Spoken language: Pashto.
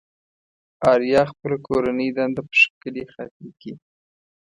آريا خپله کورنۍ دنده په ښکلي خط ليكي.